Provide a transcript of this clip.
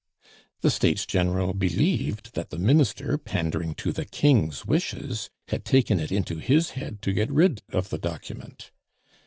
The States General believed that the Minister, pandering to the King's wishes, had taken it into his head to get rid of the document.